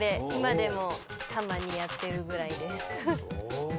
今でもたまにやってるぐらいです。